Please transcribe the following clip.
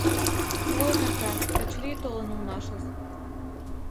— Ой, накас, Качырий толын улмашыс.